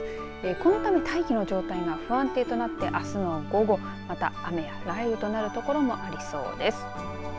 このため大気の状態が不安定となって、あすの午後また雨や雷雨となるところもありそうです。